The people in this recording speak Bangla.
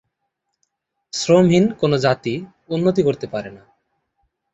শ্রমহীন কোনো জাতি উন্নতি করতে পারে না।